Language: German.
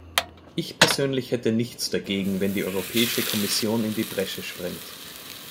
Ich persönlich hätte nichts dagegen, wenn die Europäische Kommission in die Bresche springt.